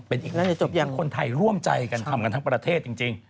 เป็นอีกเรื่องในจุดที่คนไทยร่วมใจกันทำกันทั้งประเทศจริง